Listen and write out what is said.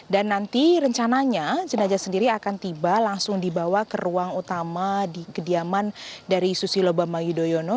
dan nanti rencananya jenazah sendiri akan tiba langsung dibawa ke ruang utama di kediaman dari susilo bambang yudhoyono